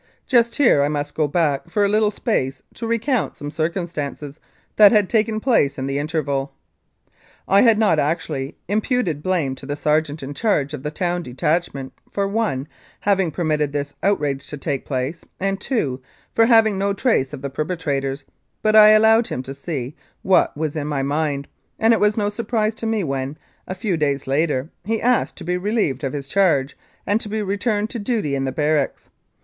Just here I must go back for a little space to recount some circumstances that had taken place in the interval. I had not actually imputed blame to the sergeant in charge of the town detachment for (i) having permitted this outrage to take place, and (2) for having no trace of the perpetrators, but I allowed him to see what was in my mind, and it was no surprise to me when, a few days later, he asked to be relieved of his charge and to be returned to duty in the barracks.